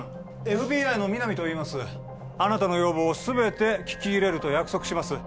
ＦＢＩの皆実といいますあなたの要望を全て聞き入れると約束します